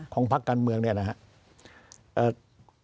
พักการเมืองเนี่ยนะครับ